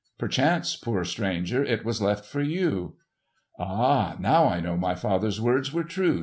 Perchance, poor stranger, it was left for you!" "Ah, now I know my father's words were true!"